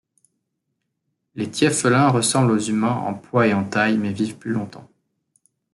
Les tieffelins ressemblent aux humains en poids et en taille mais vivent plus longtemps.